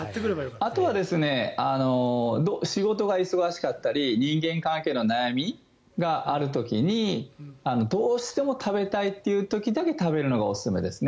あとは仕事が忙しかったり人間関係の悩みがある時にどうしても食べたいという時だけ食べるのがおすすめですね。